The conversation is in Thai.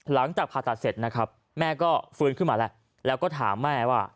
หลังจากผ่าตัดเสร็จนะครับแม่ก็ฟื้นขึ้นมาแล้วแล้วก็ถามแม่ว่า